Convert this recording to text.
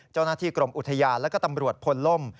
เจ้าหน้าที่กรมอุทยานและก็ตำรวจพลล่ม